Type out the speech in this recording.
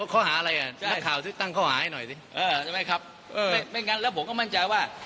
แค่นั้นเองก็มีอะไรเขาหาอะไร